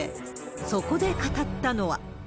そこで語ったのは。